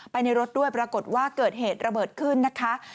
ในรถด้วยปรากฏว่าเกิดเหตุระเบิดขึ้นนะคะ